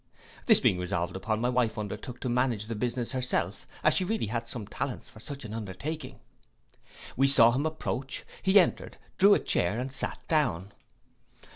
This being resolved upon, my wife undertook to manage the business herself, as she really had some talents for such an undertaking. We saw him approach, he entered, drew a chair, and sate down.